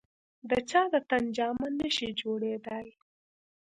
د چا د تن جامه نه شي جوړېدای.